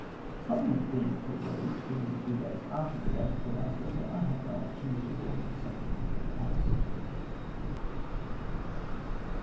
Parhament being prorogued within a few days after the date of the last letter, I had no opportunity of bringing the subject before the House.